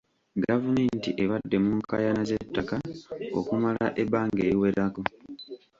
Gavumenti ebadde mu nkaayana z'ettaka okumala ebbanga eriwerako.